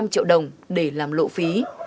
hai mươi năm triệu đồng để làm lộ phí